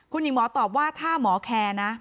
คุณหญิงหมอตอบว่าถ้าหมอแคร์นะ